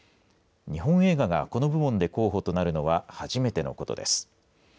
日本映画がこの部門で候補となるのは初めてのことです。